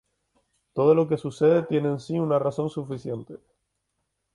Todo lo que sucede tiene en sí una razón suficiente.